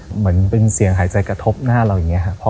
เหมือนมีเซียงไหยใยกระทบหน้าเรายังไงครับ